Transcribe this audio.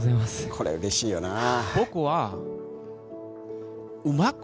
これうれしいよなぁ。